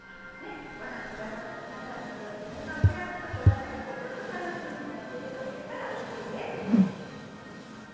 ご覧くださった皆さんにとってむだを減らすことが何かちょっと楽しみになっていただけていたらうれしいです。